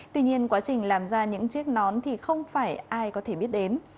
tuy nhiên quá trình làm ra những chiếc nón thì không phải ai có thể biết đến